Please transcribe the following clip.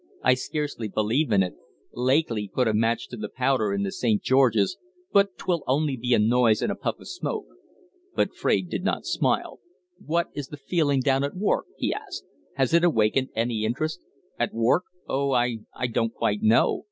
"I scarcely believe in it. Lakely put a match to the powder in the 'St. George's', but 'twill only be a noise and a puff of smoke." But Fraide did not smile. "What is the feeling down at Wark?" he asked. "Has it awakened any interest?" "At Wark? Oh, I I don't quite know.